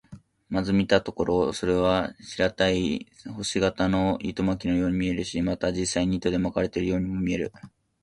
まず見たところ、それは平たい星形の糸巻のように見えるし、また実際に糸で巻かれているようにも見える。